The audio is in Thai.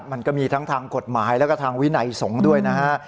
มันก็มีทั้งทางกฎหมายแล้วก็ทางวินัยสงฆ์ด้วยนะฮะ